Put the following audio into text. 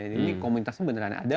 jadi komunitasnya beneran ada